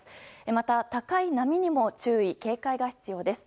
また、高い波にも注意・警戒が必要です。